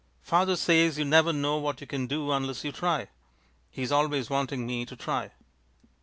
"Father says you never know what you can do unless you try. He's always wanting me to try."